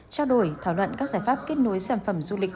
trao đổi thảo luận các giải pháp kết nối sản phẩm du lịch